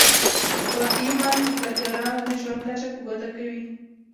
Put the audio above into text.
واقعي مزد د کارګرانو د ژوند کچه په ګوته کوي